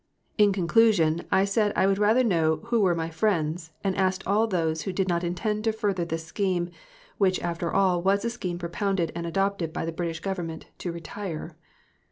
In conclusion, I said I would rather know who were my friends, and asked all those who did not intend to further this scheme, which after all was a scheme propounded and adopted by the British Government, to retire.